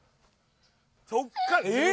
そっからえっ？